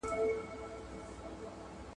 زه پرون کالي ومينځل!.